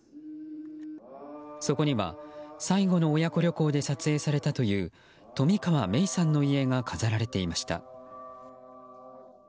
そこには、最後の親子旅行で撮影されたという冨川芽生さんの遺影が飾られていました。